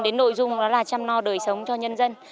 đến nội dung đó là chăm no đời sống cho nhân dân